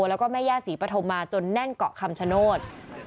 แล้วก็แม่ย่าศรีปฐมมาจนแน่นเกาะคำชโนธ